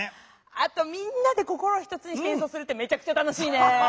あとみんなで心を一つにしてえんそうするってめちゃくちゃ楽しいね。